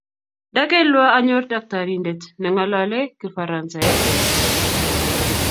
ndakelwa anyor daktarindet nengalalei kifaransaek